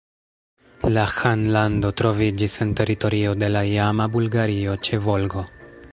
La ĥanlando troviĝis en teritorio de la iama Bulgario ĉe Volgo.